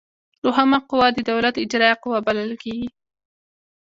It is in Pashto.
دوهمه قوه د دولت اجراییه قوه بلل کیږي.